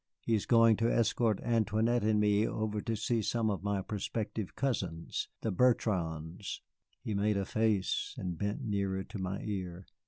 He is going to escort Antoinette and me over to see some of my prospective cousins, the Bertrands." He made a face, and bent nearer to my ear.